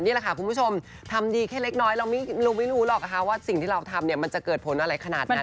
นี่แหละค่ะคุณผู้ชมทำดีแค่เล็กน้อยเราไม่รู้หรอกนะคะว่าสิ่งที่เราทำเนี่ยมันจะเกิดผลอะไรขนาดนั้น